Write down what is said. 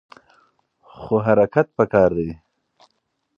خو حرکت پکار دی.